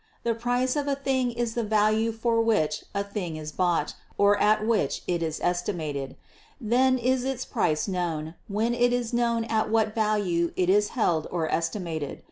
The price of a thing is the value for which a thing is bought or at which it is estimated ; then is its price known, when it is known at what value it is held or estimated.